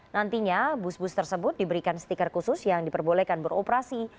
nantinya bus bus tersebut diberikan stiker khusus yang diperbolehkan beroperasi